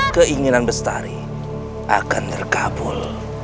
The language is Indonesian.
keinginan bestari akan terkabul